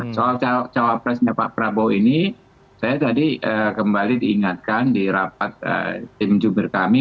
soal cawapresnya pak prabowo ini saya tadi kembali diingatkan di rapat tim jubir kami